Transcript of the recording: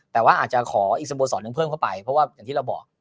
แต่ว่าอาจจะขออีกสโมสรหนึ่งเพิ่มเข้าไปเพราะว่าอย่างที่เราบอก